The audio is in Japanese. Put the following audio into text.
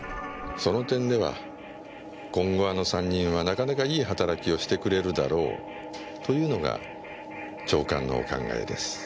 その点では今後あの３人はなかなかいい働きをしてくれるだろう。というのが長官のお考えです。